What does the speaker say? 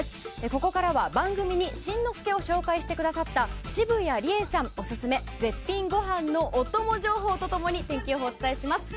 ここからは、番組に新之助を紹介してくださった澁谷梨絵さんオススメ絶品ご飯のお供情報と共に天気予報をお伝えします。